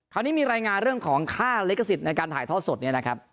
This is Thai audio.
คราวนี้มีรายงานเรื่องของค่าลิขสิทธิ์ในการถ่ายทอดสดเนี่ยนะครับ